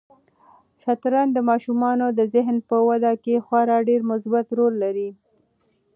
شطرنج د ماشومانو د ذهن په وده کې خورا ډېر مثبت رول لري.